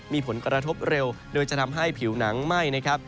มีผลกระทบเร็วโดยจะทำให้ผิวหนังไหม้นะครับ